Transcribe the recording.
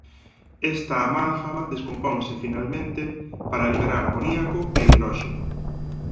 Esta amálgama descomponse finalmente para liberar amoníaco e hidróxeno.